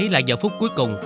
là giờ phúc cuối cùng